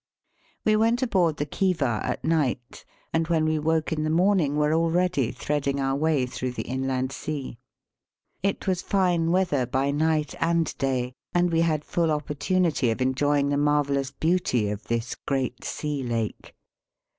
We went aboard the Khiva at night, and when we woke in the morning were already threading our way through the Inland Sea. It was fine weather by night and day, and we had full opportunity of enjoying the marvellous beauty of this great sea lake.